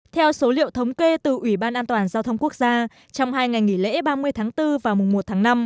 theo số liệu thống kê từ ủy ban an toàn giao thông quốc gia trong hai ngày nghỉ lễ ba mươi tháng bốn và mùa một tháng năm